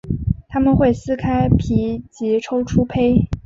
它们会撕开种皮及抽出胚。